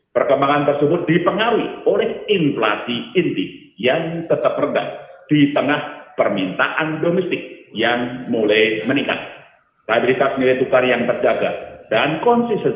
perkembangan tersebut dipengaruhi oleh inflasi inti yang tetap rendah di tengah permintaan